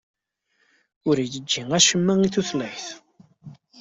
Ur igi acemma i tutlayt.